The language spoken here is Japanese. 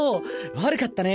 悪かったね